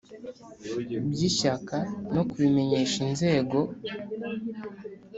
by Ishyaka no kubimenyesha inzego